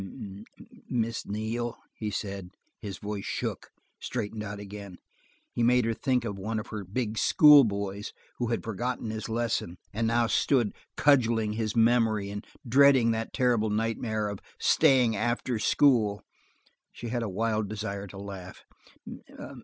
"Miss Neal," he said. His voice shook, straightened out again. He made her think of one of her big school boys who had forgotten his lesson and now stood cudgeling his memory and dreading that terrible nightmare of "staying after school." She had a wild desire to laugh.